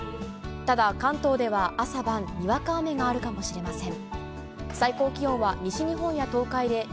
ただ、関東では朝晩、にわか雨があるかもしれません。